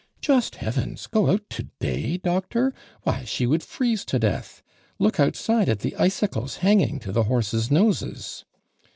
"Just Heavens! Go out today, Doctor! Why she would freeze to death. Look out side at the icicles hanging to the horses' noses!"